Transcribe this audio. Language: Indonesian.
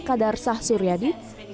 kadar sah suryadi